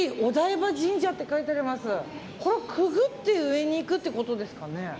くぐって上に行くってことですかね。